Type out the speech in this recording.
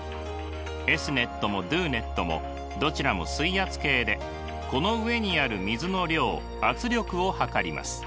Ｓ−ｎｅｔもＤＯＮＥＴもどちらも水圧計でこの上にある水の量圧力を測ります。